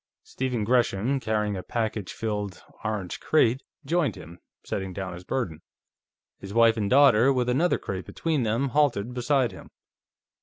Stephen Gresham, carrying a package filled orange crate, joined him, setting down his burden. His wife and daughter, with another crate between them, halted beside him.